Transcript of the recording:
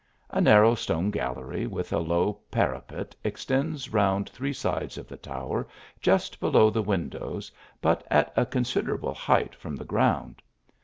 A narrow stone gallery, with a low parapet, extends round three sides of the tower just below the windows, but at a considerable height from the ground.